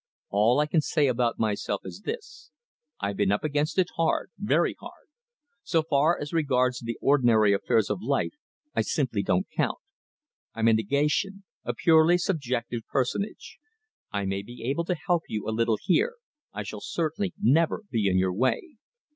All I can say about myself is this. I've been up against it hard very hard. So far as regards the ordinary affairs of life I simply don't count. I'm a negation a purely subjective personage. I may be able to help you a little here I shall certainly never be in your way.